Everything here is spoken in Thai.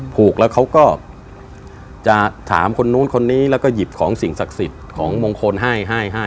ผูกแล้วเขาก็จะถามคนนู้นคนนี้แล้วก็หยิบของสิ่งศักดิ์สิทธิ์ของมงคลให้ให้